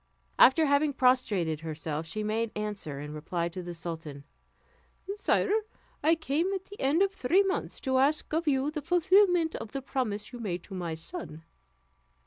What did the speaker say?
After having prostrated herself, she made answer, in reply to the sultan: "Sire, I come at the end of three months to ask of you the fulfillment of the promise you made to my son."